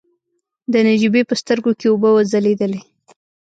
د نجيبې په سترګو کې اوبه وځلېدلې.